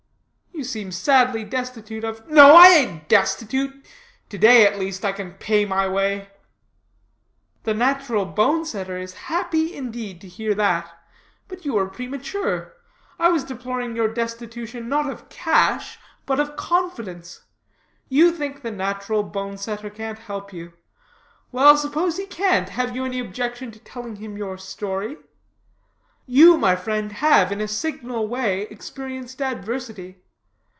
"You seem sadly destitute of " "No I ain't destitute; to day, at least, I can pay my way." "The Natural Bone setter is happy, indeed, to hear that. But you were premature. I was deploring your destitution, not of cash, but of confidence. You think the Natural Bone setter can't help you. Well, suppose he can't, have you any objection to telling him your story? You, my friend, have, in a signal way, experienced adversity.